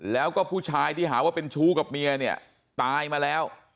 แล้วก็ผู้ชายที่หาว่าเป็นชู้กับเมียเนี่ยตายมาแล้ว